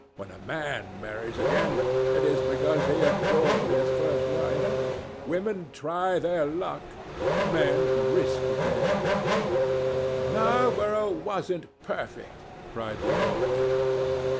When a man marries again, it is because he adored his first wife. Women try their luck; men risk theirs." "Narborough wasn't perfect," cried the old lady.